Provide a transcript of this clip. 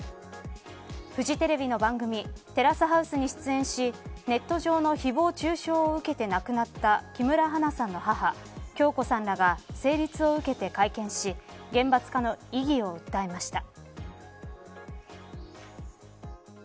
フジテレビの番組テラスハウスに出演しネット上のひぼう中傷を受けて亡くなった木村花さんが母、響子さんらは成立を受けて会見し厳罰化の意義を訴えました。